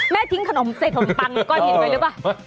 แม่ทิ้งขนมเศษฐมปังก็เห็นไหมหรือเปล่า